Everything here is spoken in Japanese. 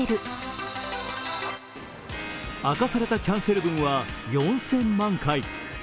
明かされたキャンセル分は４０００万回。